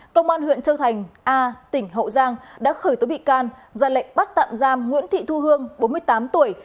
công an huyện châu thành a tỉnh hậu giang đã khởi tố bị can ra lệnh bắt tạm giam nguyễn thị thu hương bốn mươi tám tuổi